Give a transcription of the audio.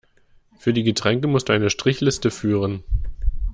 Für die Getränke muss du eine Strichliste führen.